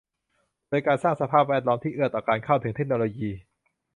โดยการสร้างสภาพแวดล้อมที่เอื้อต่อการเข้าถึงเทคโนโลยี